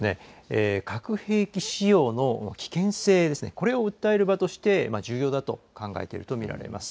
核兵器使用の危険性、これを訴える場として重要だと考えていると見られます。